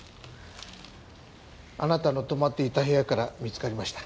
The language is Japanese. あなたの泊まっていた部屋から見つかりました。